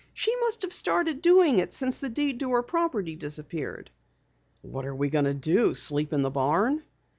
She must have started doing it since the deed to her property disappeared." "What are we going to do? Sleep in the barn?"